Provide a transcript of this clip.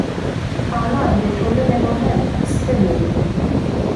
خانان د ټولنې مهم ستنې وې.